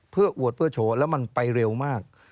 เพื่ออวดเพื่อโชว์แล้วมันไปเร็วมาก